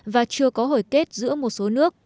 và chưa có hồi kết giữa một số nước